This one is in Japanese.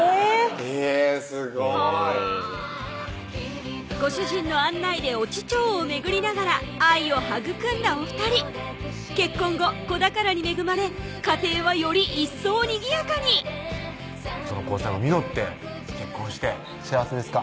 へぇすごいはぁご主人の案内で越知町を巡りながら愛を育んだお２人結婚後子宝に恵まれ家庭はよりいっそうにぎやかにその交際も実って結婚して幸せですか？